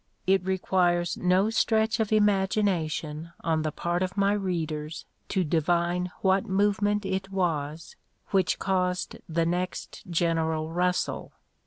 It requires no stretch of imagination on the part of my readers to divine what movement it was which caused the next general rustle.